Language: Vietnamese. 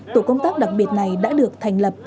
tổ công tác đặc biệt này đã được thành lập